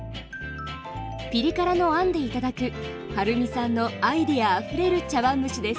ピリ辛のあんで頂くはるみさんのアイデアあふれる茶碗蒸しです。